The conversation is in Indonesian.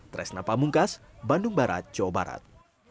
tresna pamungkas bandung barat jawa barat